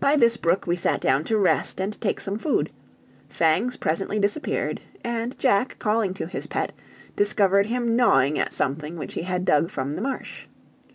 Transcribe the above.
By this brook we sat down to rest and take some food; Fangs presently disappeared, and Jack calling to his pet discovered him gnawing at something which he had dug from the marsh.